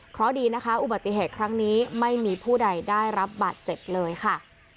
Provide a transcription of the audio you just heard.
เพราะดีนะคะอุบัติเหตุครั้งนี้ไม่มีผู้ใดได้รับบาดเจ็บเลยค่ะ